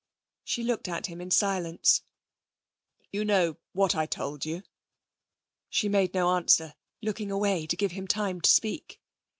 She looked at him in silence. 'You know what I told you.' She made no answer, looking away to give him time to speak.